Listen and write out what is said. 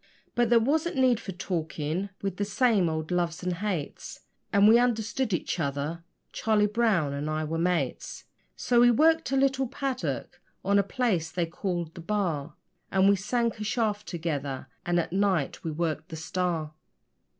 But there wasn't need for talking we'd the same old loves and hates, And we understood each other Charlie Brown and I were mates. So we worked a little 'paddock' on a place they called the 'Bar', And we sank a shaft together, and at night we worked the STAR.